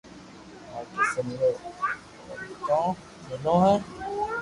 هر قسم رو رمتون ملو هي